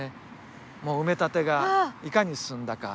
埋め立てがいかに進んだか。